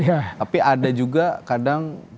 tapi ada juga kadang